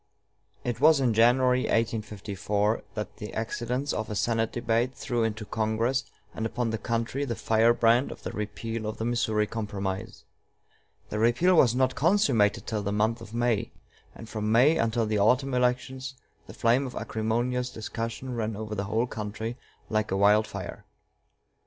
It was in January, 1854, that the accidents of a Senate debate threw into Congress and upon the country the firebrand of the repeal of the Missouri Compromise. The repeal was not consummated till the month of May; and from May until the autumn elections the flame of acrimonious discussion ran over the whole country like a wild fire.